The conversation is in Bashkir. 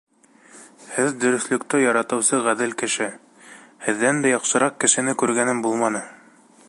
Һеҙ дөрөҫлөктө яратыусы ғәҙел кеше. һеҙҙән дә яҡшыраҡ кешене күргәнем булманы.